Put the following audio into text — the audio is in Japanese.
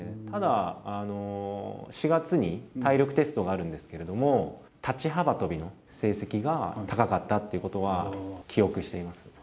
ただ４月に体力テストがあるんですけれども、立ち幅跳びの成績が高かったっていうことは記憶しています。